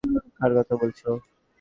কার কথা বলছ?